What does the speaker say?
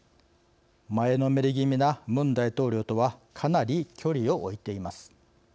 前のめり気味なムン大統領とはかなり距離を置いています。